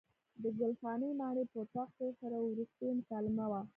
د ګل خانې ماڼۍ په اطاق کې ورسره وروستۍ مکالمه وه.